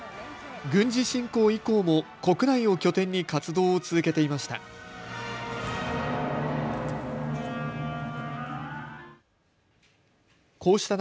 軍事侵攻以降も国内を拠点に活動を続けていました。